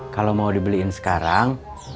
kalo mau dibeliin sekarang